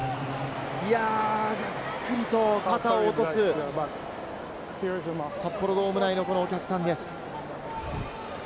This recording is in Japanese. がっくり肩を落とす札幌ドーム内のお客さんです。